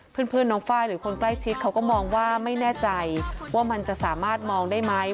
เพื่อนน้องไฟล์หรือคนใกล้ชิดเขาก็มองว่าไม่แน่ใจว่ามันจะสามารถมองได้ไหม